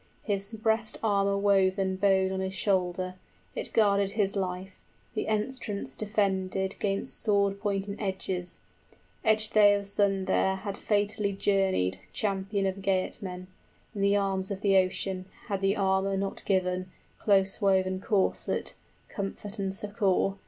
} His breast armor woven bode on his shoulder; It guarded his life, the entrance defended 75 'Gainst sword point and edges. Ecgtheow's son there Had fatally journeyed, champion of Geatmen, In the arms of the ocean, had the armor not given, Close woven corslet, comfort and succor, {God arranged for his escape.